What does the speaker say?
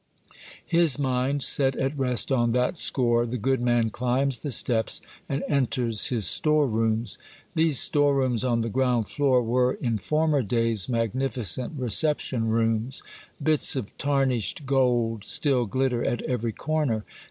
His mind set at rest on that score, the good man climbs the steps, and enters his store rooms. These store rooms on the ground floor were in former days magnificent reception rooms. Bits of tarnished gold still glitter at every corner.